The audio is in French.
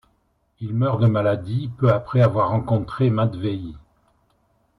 Il meurt de maladie peu après avoir rencontré Matveï.